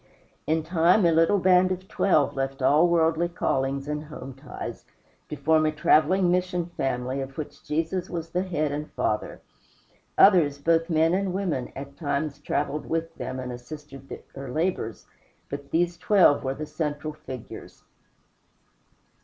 In time, a little band of twelve left all worldly callings and home ties, to form a traveling mission family of which Jesus was the head and father. Others, both men and women, at times traveled with them and assisted their labors; but these twelve were the central figures.